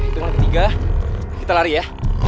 itu yang ketiga kita lari ya